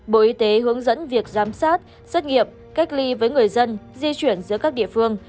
bộ y tế hướng dẫn việc giám sát xét nghiệm cách ly với người dân di chuyển giữa các địa phương